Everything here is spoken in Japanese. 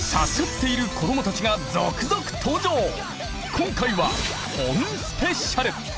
今回は本スペシャル！